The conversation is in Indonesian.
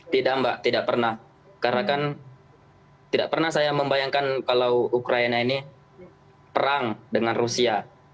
tidak mbak tidak pernah karena kan tidak pernah saya membayangkan kalau ukraina ini perang dengan rusia